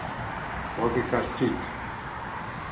Ne oa ket kalz tud.